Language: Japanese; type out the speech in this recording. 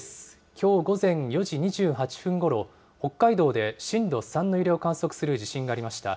きょう午前４時２８分ごろ北海道で震度３の揺れを観測する地震がありました。